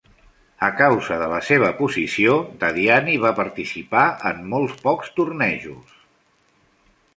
A causa de la seva posició, Dadiani va participar en molt pocs tornejos.